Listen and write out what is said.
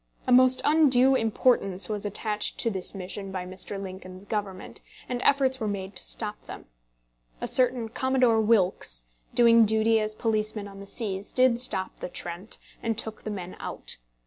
A most undue importance was attached to this mission by Mr. Lincoln's government, and efforts were made to stop them. A certain Commodore Wilkes, doing duty as policeman on the seas, did stop the "Trent," and took the men out.